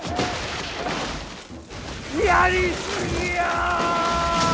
やり過ぎや！